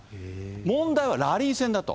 問題はラリー戦だと。